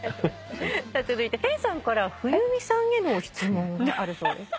続いて研さんから冬美さんへの質問あるそうですね。